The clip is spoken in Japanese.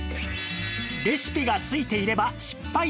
レシピがついていれば失敗なし！